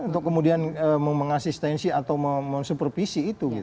untuk kemudian mengasistensi atau mensupervisi itu